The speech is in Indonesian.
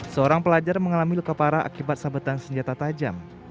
seorang pelajar mengalami luka parah akibat sabetan senjata tajam